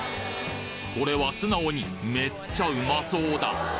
これは素直にめっちゃうまそうだ！